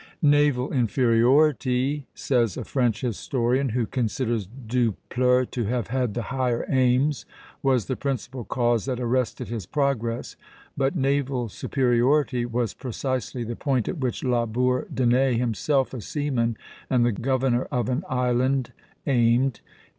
"Naval inferiority," says a French historian who considers Dupleix to have had the higher aims, "was the principal cause that arrested his progress;" but naval superiority was precisely the point at which La Bourdonnais, himself a seaman and the governor of an island, aimed.